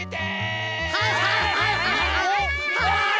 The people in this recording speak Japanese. はいはいはいはいはい！